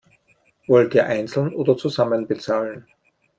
Wollt ihr einzeln oder zusammen bezahlen?